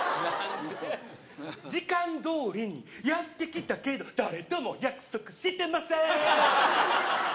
時間どおりにやってきたけど誰とも約束してません